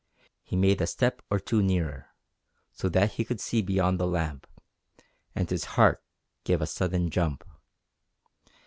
He made a step or two nearer, so that he could see beyond the lamp, and his heart gave a sudden jump.